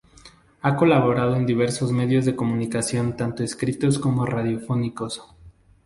Ha colaborado en diversos medios de comunicación tanto escritos como radiofónicos.